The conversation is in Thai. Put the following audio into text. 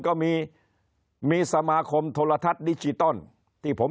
คนในวงการสื่อ๓๐องค์กร